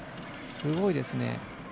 すごいですね。